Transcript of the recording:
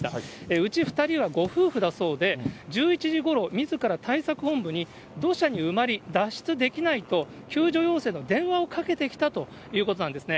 うち２人はご夫婦だそうで、１１時ごろ、みずから対策本部に、土砂に埋まり、脱出できないと救助要請の電話をかけてきたということなんですね。